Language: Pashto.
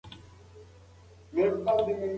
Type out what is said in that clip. په شعر کې ځینې متروکې کلمې شته.